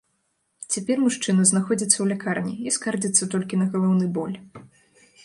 Цяпер мужчына знаходзіцца ў лякарні і скардзіцца толькі на галаўны боль.